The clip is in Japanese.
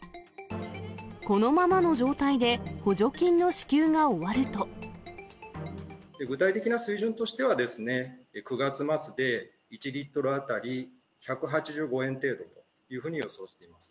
このままの状態で、具体的な水準としては、９月末で１リットル当たり１８５円程度というふうに予想されます。